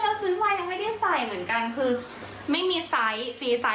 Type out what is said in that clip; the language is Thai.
แล้วซื้อวายยังไม่ได้ใส่เหมือนกันไม่มีซ้ายฟรีซ้าย